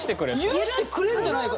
許してくれんじゃないか。